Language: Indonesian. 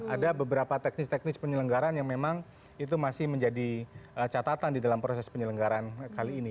ada beberapa teknis teknis penyelenggaran yang memang itu masih menjadi catatan di dalam proses penyelenggaraan kali ini